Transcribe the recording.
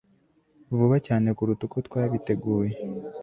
Vuba cyane kuruta uko twabiteguye